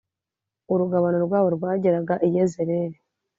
urugabano rwabo rwageraga i yezereli